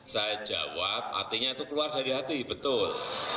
saya jawab artinya itu keluar dari hati betul